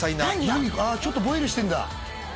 あっちょっとボイルしてんだ